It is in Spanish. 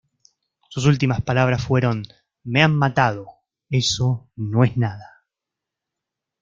Sus últimas palabras fueron: “¡Me han matado, eso no es nada!